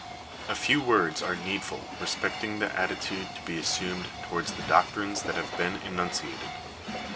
A few words are needful respecting the attitude to be assumed towards the doctrines that have been enunciated.